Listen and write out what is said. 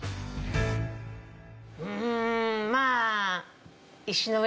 うんまあ。